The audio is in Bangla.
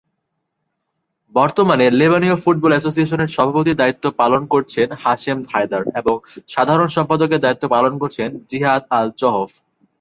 বর্তমানে লেবানীয় ফুটবল অ্যাসোসিয়েশনের সভাপতির দায়িত্ব পালন করছেন হাশেম হায়দার এবং সাধারণ সম্পাদকের দায়িত্ব পালন করছেন জিহাদ আল চহোফ।